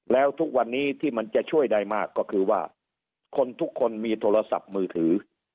แล้วทุกวันนี้ที่มันจะช่วยได้มากก็คือว่าคนทุกคนมีโทรศัพท์มือถือ